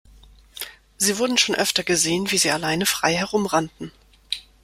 Sie wurden schon öfter gesehen, wie sie alleine frei herumrannten.